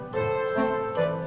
terima kasih mas